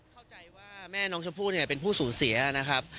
เข้าใจว่าแม่น้องชมพู่เนี่ยเป็นผู้สูญเสียนะครับ